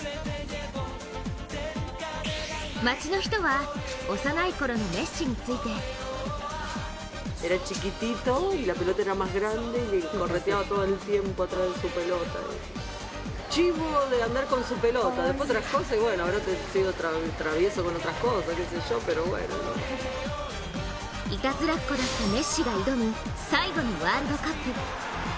街の人は、幼いころのメッシについていたずらっ子だったメッシが挑む、最後のワールドカップ。